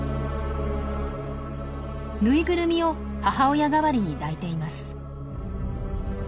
ぬいぐるみを母親代わりに抱いています。